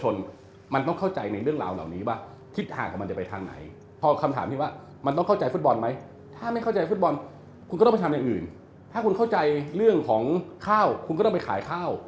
ในเรื่องของข้าวคุณก็ต้องไปขายข้าว